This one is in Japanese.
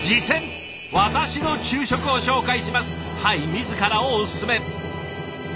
はい自らをおすすめ。